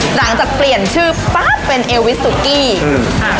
หลังจากเปลี่ยนชื่อปั๊บเป็นเอวิสสุกี้อืมอ่า